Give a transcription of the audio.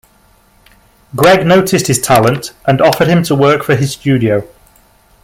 Greg noticed his talent and offered him to work for his studio.